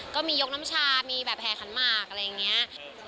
ก็มียกน้ำชามีแบบแห่ขันหมากอะไรอย่างนี้